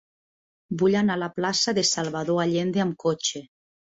Vull anar a la plaça de Salvador Allende amb cotxe.